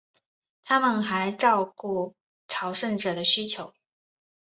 他们还照顾朝圣者的需要。